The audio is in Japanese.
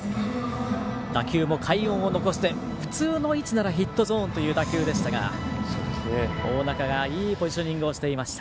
打球も快音を残して普通の位置ならヒットゾーンという打球でしたが大仲がいいポジショニングをしていました。